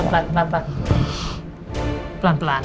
air putih buat ilmu obat ya